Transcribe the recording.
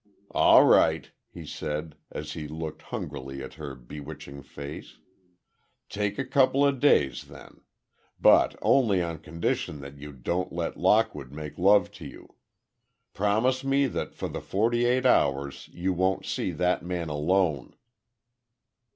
"All right," he said, as he looked hungrily at her bewitching face, "take a coupla days, then. But, only on condition that you don't let Lockwood make love to you. Promise me that for the forty eight hours, you won't see that man alone."